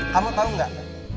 kamu tau gak